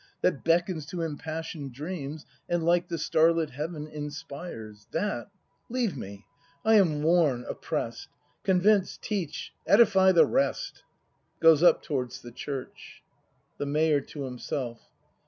That beckons to impassion'd dreams. And like the starlit heaven inspires —■ That — leave me! I am worn, oppress'd; — Convince, teach, edify the rest. [Goes up towards the Church. The Mayor. [To himself.